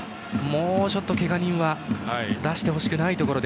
もう、ちょっとけが人は出してほしくないところ。